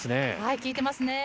効いてますね。